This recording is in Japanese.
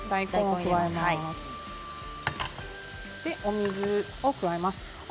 お水を加えます。